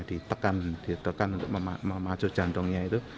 ditekan untuk memacu jantungnya itu